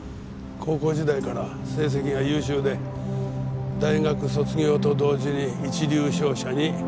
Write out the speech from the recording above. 高校時代から成績が優秀で大学卒業と同時に一流商社に入社。